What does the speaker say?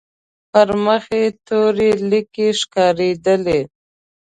پر مخ يې تورې ليکې ښکارېدلې.